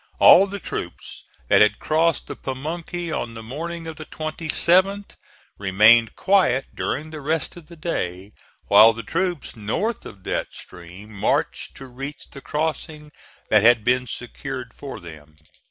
All the troops that had crossed the Pamunkey on the morning of the 27th remained quiet during the rest of the day, while the troops north of that stream marched to reach the crossing that had been secured for them.